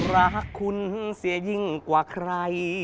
รักคุณเสียยิ่งกว่าใคร